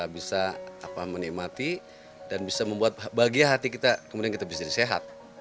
bisa menikmati dan bisa membuat bahagia hati kita kemudian kita bisa jadi sehat